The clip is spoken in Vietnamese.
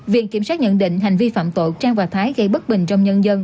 viện kiểm sát nhận định hành vi phạm tội trang và thái gây bất bình trong nhân dân